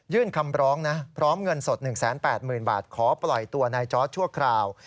คำร้องนะพร้อมเงินสด๑๘๐๐๐บาทขอปล่อยตัวนายจอร์ดชั่วคราว